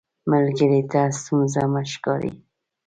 ملګری ته ستونزه مه ښکاري